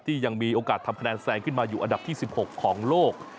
ยังมีโอกาสทำคะแนนแซงขึ้นมาอยู่อันดับที่๑๖ของโลก